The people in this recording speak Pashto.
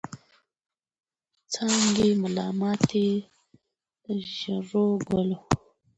څانګي ملا ماتي د ژړو ګلو